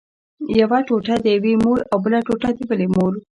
یوه ټوټه د یوې مور او بله ټوټه د بلې مور.